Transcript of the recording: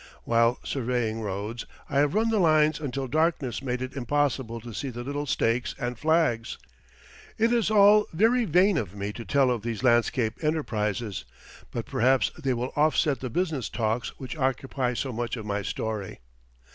While surveying roads, I have run the lines until darkness made it impossible to see the little stakes and flags. It is all very vain of me to tell of these landscape enterprises, but perhaps they will offset the business talks which occupy so much of my story.